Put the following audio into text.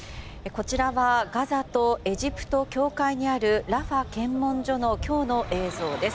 こちらはガザとエジプト境界にあるラファ検問所の今日の映像です。